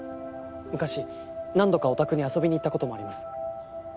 昔何度かお宅に遊びに行った事もあります。